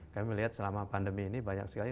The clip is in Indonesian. kami melihat selama pandemi ini banyak sekali